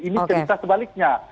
ini cerita sebaliknya